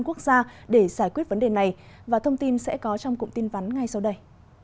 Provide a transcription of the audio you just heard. quốc gia để giải quyết vấn đề này và thông tin sẽ có trong cụm tin vắn ngay sau đây